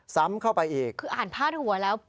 ซ้ำเข้าไปอีกคืออ่านพาดหัวแล้ว